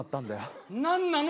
何なの？